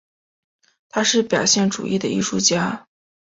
他是表现主义的艺术家。